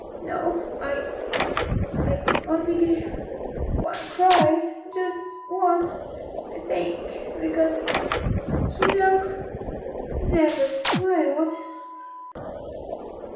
No ... I ... I only gave One cry ... just one ... I think ... because ... You know ... he never smiled.